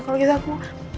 kalau gitu aku